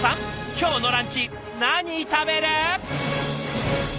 「今日のランチ何食べる？」。